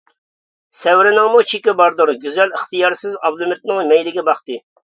-سەۋرنىڭمۇ چېكى باردۇر. گۈزەل ئىختىيارسىز ئابلىمىتنىڭ مەيلىگە باقتى.